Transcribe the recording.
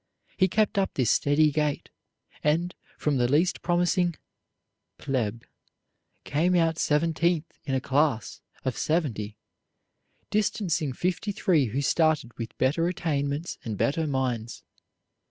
He kept up this steady gait, and, from the least promising "plebe," came out seventeenth in a class of seventy, distancing fifty three who started with better attainments and better minds.